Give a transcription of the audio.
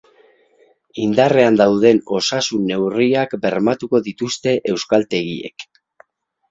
Indarrean dauden osasun-neurriak bermatuko dituzte euskaltegiek.